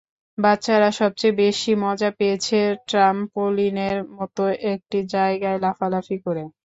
বাচ্চারা সবচেয়ে বেশি মজা পেয়েছে ট্রামপলিনের মতো একটি জায়গায় লাফালাফি করে।